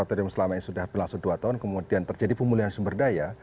karena kita sudah selama ini sudah berlangsung dua tahun kemudian terjadi pemulihan sumber daya